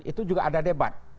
itu juga ada debat